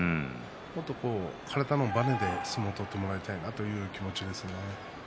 もっと体のばねで相撲を取ってもらいたいという気持ちです。